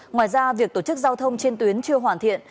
ngoài ra việc tổ chức giao thông trên tuyến chưa hoàn thiện